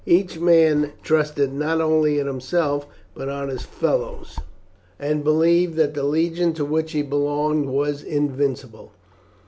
Each man trusted not only in himself, but on his fellows, and believed that the legion to which he belonged was invincible.